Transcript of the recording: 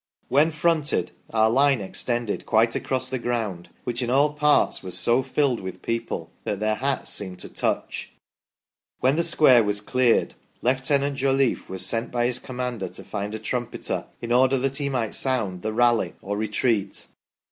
When fronted, our line extended quite across the ground, which in all parts was so filled with people that their hats seemed to touch." When the square was cleared, Lieutenant Jolliffe was sent by his commander to find a trumpeter, in order that he might sound the " Rally" or " Retreat".